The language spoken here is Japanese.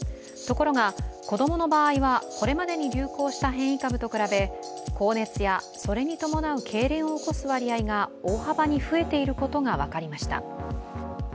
ところが子供の場合は、これまでに流行した変異株と比べ高熱やそれに伴うけいれんを起こす割合が大幅に増えていることが分かりました。